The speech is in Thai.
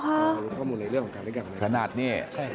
รู้ข้อมูลในเรื่องของการเล่นการพนันขนาดนี้